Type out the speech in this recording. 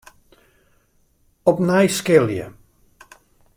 Opnij skilje.